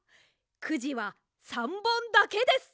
くじは３ぼんだけです。